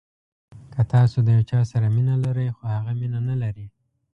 که تاسو د یو چا سره مینه لرئ خو هغه مینه نلري.